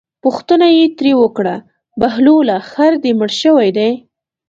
پوښتنه یې ترې وکړه بهلوله خر دې مړ شوی دی.